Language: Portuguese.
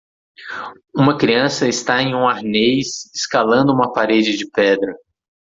Uma criança está em um arnês escalando uma parede de pedra.